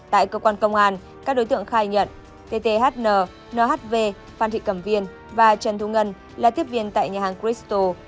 tại cơ quan công an các đối tượng khai nhận tthn nhv phan thị cẩm viên và trần thu ngân là tiếp viên tại nhà hàng cristo